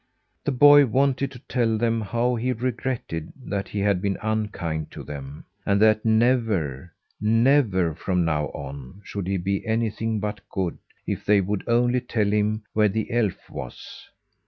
The boy wanted to tell them how he regretted that he had been unkind to them; and that never, never from now on should he be anything but good, if they would only tell him where the elf was.